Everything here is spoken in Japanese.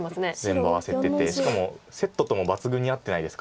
全部合わせててしかもセットとも抜群に合ってないですか？